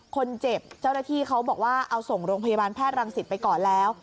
คนเจ็บเจ้าหน้าที่เขาบอกว่าเอาส่งโรงพยาบาลแพทย์รังสิตไปก่อนแล้ว